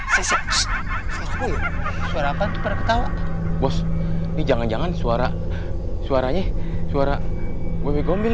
sesuai suara apa tuh perketawa bos ini jangan jangan suara suaranya suara wewe gombel